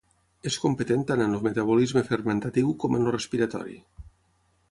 És competent tant en el metabolisme fermentatiu com en el respiratori.